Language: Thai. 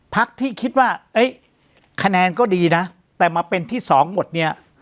พักที่คิดว่าคะแนนก็ดีนะแต่มาเป็นที่สองหมดเนี่ย